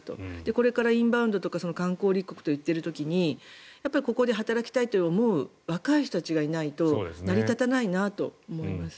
これからインバウンドとか観光立国と言っている時にここで働きたいと思う若い人たちがいないと成り立たないなと思います。